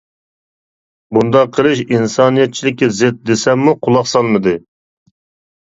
بۇنداق قىلىش ئىنسانىيەتچىلىككە زىت، دېسەممۇ قۇلاق سالمىدى.